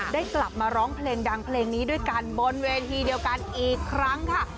ได้กลับมาร้องเพลงดังเพลงนี้ด้วยกันบนเวทีเดียวกันอีกครั้งค่ะ